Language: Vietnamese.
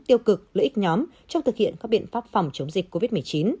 tiêu cực lợi ích nhóm trong thực hiện các biện pháp phòng chống dịch covid một mươi chín